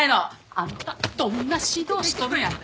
あんたどんな指導しとるんやて！